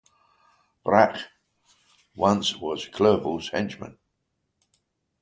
Brach once was Clerval's henchman.